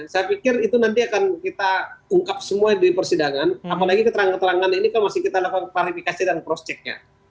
saya pikir itu nanti akan kita ungkap semua di persidangan apalagi keterangan keterangan ini kalau masih kita lakukan verifikasi dan prosjeknya